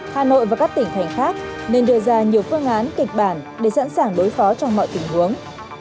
hà nội và các tỉnh thành khác nên đưa ra nhiều phương án kịch bản để sẵn sàng đối phó trong mọi tình huống